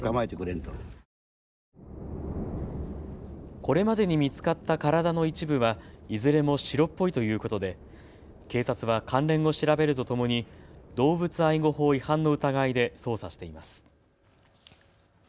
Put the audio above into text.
これまでに見つかった体の一部はいずれも白っぽいということで警察は関連を調べるとともに動物愛護法違反の疑いで捜査しています。